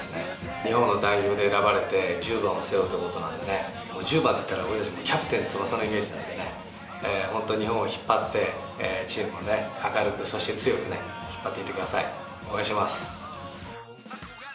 日本代表で選ばれて、１０番を背負うということなので、１０番っていったら、俺たち、キャプテン翼のイメージなんでね、本当に日本を引っ張って、チームを明るく、そして強くね、引っ張っていってください。